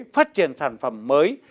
phát triển sản phẩm mới